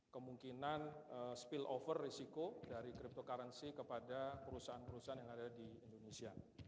kemungkinan spill over resiko dari cryptocurrency kepada perusahaan perusahaan yang ada di indonesia